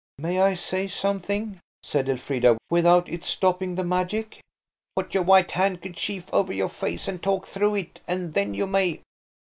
"May I say something," said Elfrida, "without its stopping the magic?" "Put your white handkerchief over your face and talk through it, and then you may."